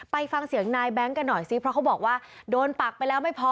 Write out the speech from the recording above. ไปฟังเสียงนายแบงค์กันหน่อยซิเพราะเขาบอกว่าโดนปักไปแล้วไม่พอ